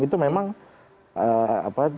itu memang apa